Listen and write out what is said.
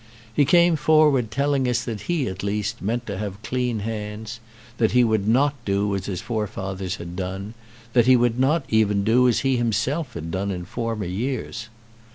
He came forward telling us that he, at least, meant to have clean hands; that he would not do as his forefathers had done; that he would not even do as he himself had done in former years.